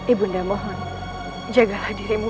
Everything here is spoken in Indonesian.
ibunda mohon jagalah dirimu